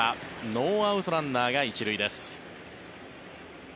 ノーアウトランナーが１塁です。